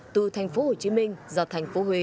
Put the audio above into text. từ thành phố hồ chí minh ra thành phố huế